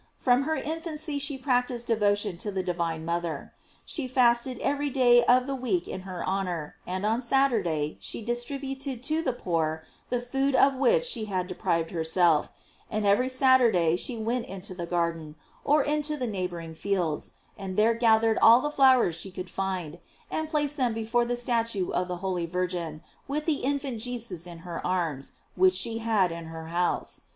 From her infancy she practised devotion to the divine mother. She fasted every day of the week in her honor, and on Saturday she dis tributed to the poor the food of which she had deprived herself; and every Saturday she went into the garden, or into the neighboring fields, and there gathered all the flowers she could find, and placed them before a statue of the holy Vir gin with the infant Jesus in her arms, which she had in her house.